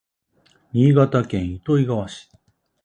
新潟県糸魚川市